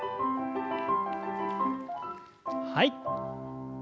はい。